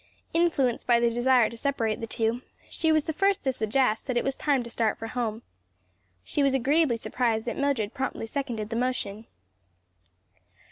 Influenced by the desire to separate the two, she was the first to suggest that it was time to start for home. She was agreeably surprised that Mildred promptly seconded the motion.